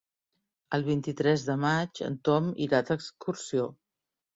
El vint-i-tres de maig en Tom irà d'excursió.